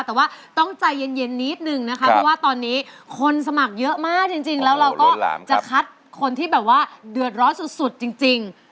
แต่ว่าต้องใจเย็นนิดนึงนะคะเพราะว่าตอนนี้คนสมัครเยอะมากจริงแล้วเราก็จะคัดคนที่แบบว่าเดือดร้อนสุดจริง